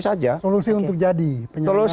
saja solusi untuk jadi penyelesai